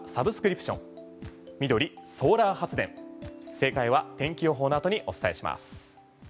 正解は天気予報の後にお伝えします。